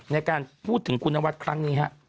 ในการพูดถึงกุณวัฒน์ครั้งนี้ครับ